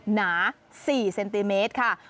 หนา๔เซนติเมตรค่ะ